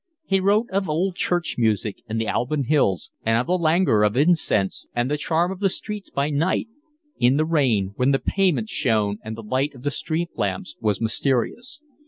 He wrote of old church music and the Alban Hills, and of the languor of incense and the charm of the streets by night, in the rain, when the pavements shone and the light of the street lamps was mysterious.